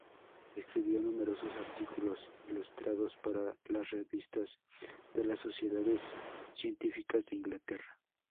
Escribió numerosos artículos ilustrados para las revistas de las sociedades científicas de Inglaterra.